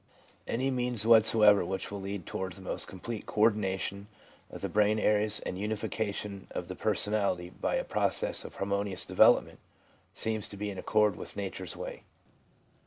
Any means whatsoever which will lead toward the most complete co ordination of the brain areas and unification of the personality by a process of harmonious development seems to be in accord with nature's way.